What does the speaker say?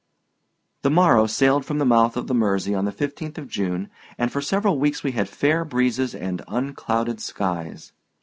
The Morrow sailed from the mouth of the Mersey on the 15th of June and for several weeks we had fair breezes and unclouded skies.